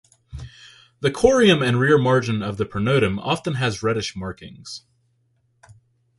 The corium and rear margin of the pronotum often has reddish markings.